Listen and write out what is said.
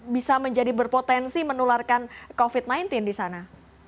bisa menjadi berpotensi menularkan covid sembilan belas di sana